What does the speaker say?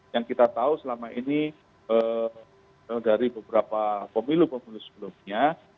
yang kita tahu selama ini dari beberapa pemilu pemilu sebelumnya